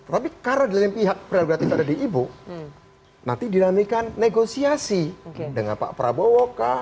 tapi karena di lain pihak prerogatif ada di ibu nanti dinamikan negosiasi dengan pak prabowo kah